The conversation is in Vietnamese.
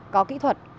có kỹ thuật